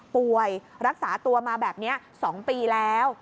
รักษาตัวมาแบบนี้๒ปีแล้ว